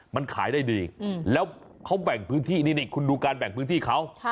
มันขายได้ดีแล้วเขาแบ่งพื้นที่นี่คุณดูการแบ่งพื้นที่เขา